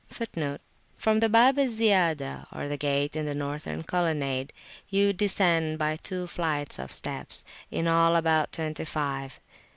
[FN#17] From the Bab al Ziyadah, or gate in the northern colonnade, you descend by two flights of steps, in all about twenty five.